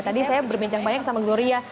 tadi saya berbincang banyak sama gloria